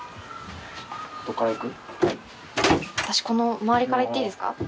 この周りからいっていいですか？